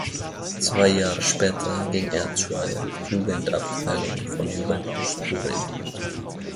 Zwei Jahre später ging er zur Jugendabteilung von Juventus Turin.